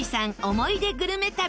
思い出グルメ旅。